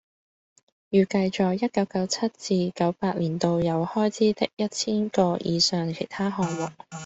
預計在一九九七至九八年度有開支的一千個以上其他項目